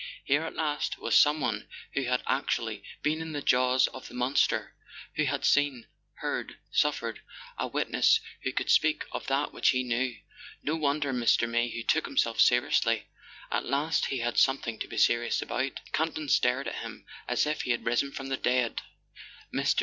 Here at last was someone who had ac¬ tually been in the jaws of the monster, who had seen, heard, suffered—a witness who could speak of that which he knew! No wonder Mr. Mayhew took himself seriously—at last he had something to be serious about! Campton stared at him as if he had risen from the dead. Air.